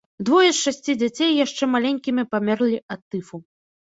Двое з шасці дзяцей яшчэ маленькімі памерлі ад тыфу.